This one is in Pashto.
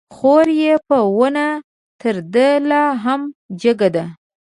خور يې په ونه تر ده لا هم جګه ده